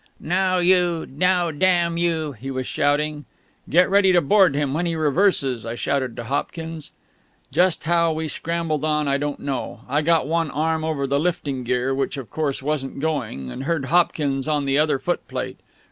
"Now ... you!... Now, damn you!..." he was shouting. "Get ready to board him when he reverses!" I shouted to Hopkins. Just how we scrambled on I don't know. I got one arm over the lifting gear (which, of course, wasn't going), and heard Hopkins on the other footplate.